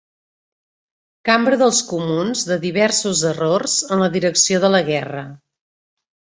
Cambra dels Comuns de diversos errors en la direcció de la guerra.